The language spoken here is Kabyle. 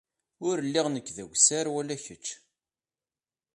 Ur lliɣ nekk d awessar wala kečč.